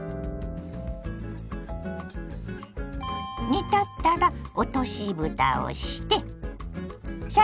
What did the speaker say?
煮立ったら落としぶたをしてさらにふた。